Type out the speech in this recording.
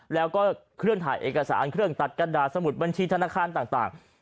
แล้วก็เครื่องถ่ายเอกสารเครื่องตัดกระดาษสมุดบัญชีธนาคารต่าง